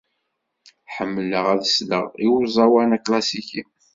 Ḥemmleɣ ad sleɣ i uẓawan aklasiki.